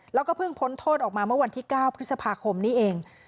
แล้วก็เพิ่งพ้นโทษออกมาเมื่อวันที่๙พฤษภาคมนี้เอง